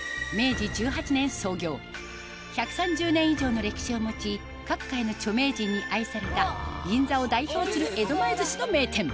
１３０年以上の歴史を持ち各界の著名人に愛された銀座を代表する江戸前寿司の名店